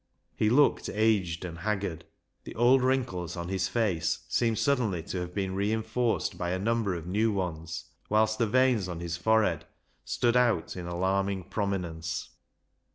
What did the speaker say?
He looked aged and haggard. The old wrinkles on his face seemed suddenly to have been reinforced by a number of new ones, whilst the veins on his forehead stood out in alarming prominence.